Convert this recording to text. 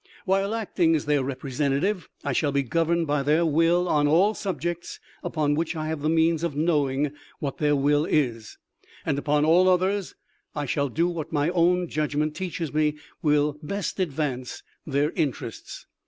" While acting as their Representative, I shall be governed by their will on all subjects upon which I have the means of knowing what their will is ; and upon all others I shall do what my own judg ment teaches me will best advance their interests.